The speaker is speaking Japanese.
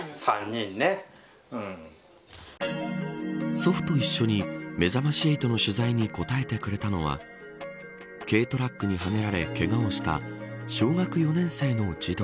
祖父と一緒にめざまし８の取材に答えてくれたのは軽トラックに、はねられけがをした小学４年生の児童。